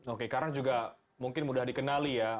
oke karang juga mungkin mudah dikenali ya